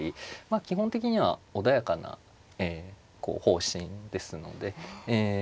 基本的には穏やかな方針ですのでええ。